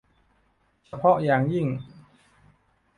เฉพาะอย่างยิ่ง